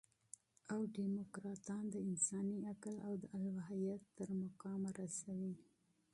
او ډيموکراټان د انساني عقل او د الوهیت تر مقامه رسوي.